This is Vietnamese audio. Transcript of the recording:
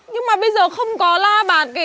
nhưng mà bây giờ không có la bạt